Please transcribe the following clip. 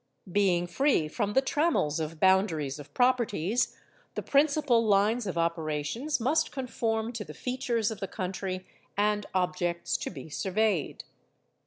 Being free from the trammels of boundaries of properties, the principal lines of operations must conform to the features of the country, and objects to be surveyed.